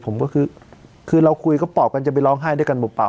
ผมก็คือคือเราคุยก็ปอบกันจะไปร้องไห้ด้วยกันเปล่า